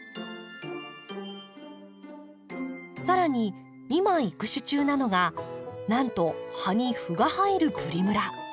更に今育種中なのがなんと葉に斑が入るプリムラ。